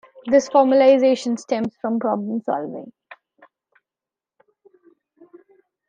This formalization stems from problem solving.